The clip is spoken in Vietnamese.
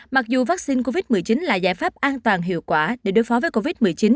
mặc dù vaccine covid một mươi chín là giải pháp an toàn hiệu quả để đối phó với covid một mươi chín